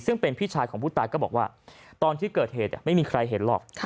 ซึ่งเป็นพี่ชายของผู้ตายก็บอกว่าตอนที่เกิดเหตุไม่มีใครเห็นหรอก